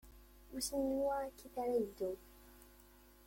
Wissen anwa akkit ara yeddun?